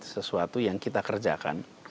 sesuatu yang kita kerjakan